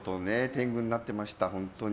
天狗になってました、本当に。